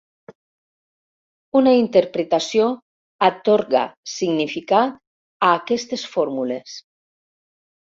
Una interpretació atorga significat a aquestes fórmules.